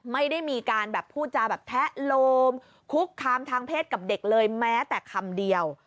ไม่ได้มีการแบบพูดจาแบบแทะโลมคุกคามทางเพศกับเด็กเลยแม้แต่คำเดียว